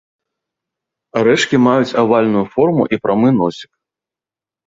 Арэшкі маюць авальную форму і прамы носік.